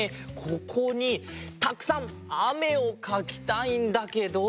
ここにたくさんあめをかきたいんだけど。